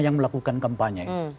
yang melakukan kampanye